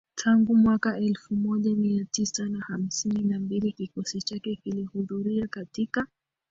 Tangu mwaka elfu moja Mia Tisa na hamsini na mbili kikosi chake kilihudhuria katika